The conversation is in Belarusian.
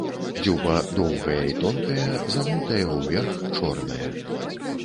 Дзюба доўгая і тонкая, загнутая ўверх, чорная.